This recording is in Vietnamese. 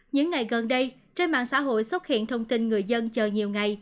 những ngày gần đây trên mạng xã hội xuất hiện thông tin người dân chờ nhiều ngày